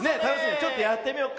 ちょっとやってみよっか。